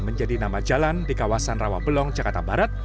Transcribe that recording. menjadi nama jalan di kawasan rawabelong jakarta barat